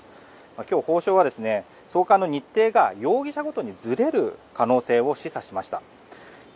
今日、法相は送還の日程が容疑者ごとにずれる可能性を示唆しました。